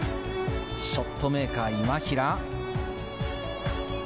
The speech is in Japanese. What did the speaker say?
ショットメーカー・今平。